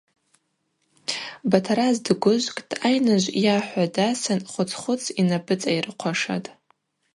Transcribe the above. Батараз дгвыжвкӏтӏ, айныжв йахӏва дасын, хвыц-хвыц йнапӏыцӏайрыхъвашатӏ.